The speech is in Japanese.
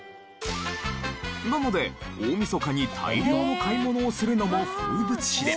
なので大みそかに大量の買い物をするのも風物詩で。